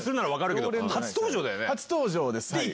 初登場です。